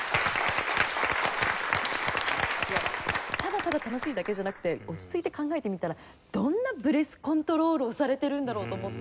ただただ楽しいだけじゃなくて落ち着いて考えてみたらどんなブレスコントロールをされてるんだろうと思って。